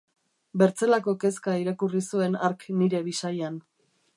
Bertzelako kezka irakurri zuen hark nire bisaian.